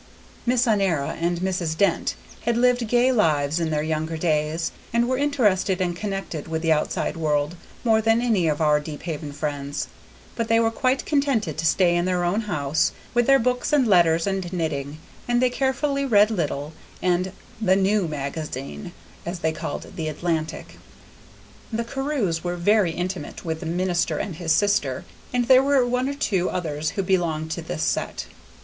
Miss Honora and Mrs. Dent had lived gay lives in their younger days, and were interested and connected with the outside world more than any of our Deephaven friends; but they were quite contented to stay in their own house, with their books and letters and knitting, and they carefully read Littell and "the new magazine," as they called the Atlantic. The Carews were very intimate with the minister and his sister, and there were one or two others who belonged to this set.